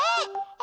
あ。